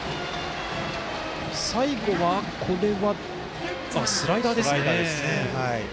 最後は、スライダーですね。